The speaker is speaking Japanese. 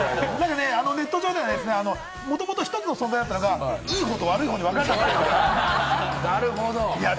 ネット上では、もともと一つの存在だったのが、いい方と悪い方に分かれてるなんて。